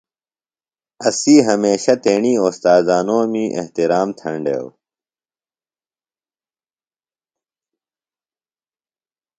اسی ہمیشہ تیݨی اوستاذانومی احتِرام تھینڈیوۡ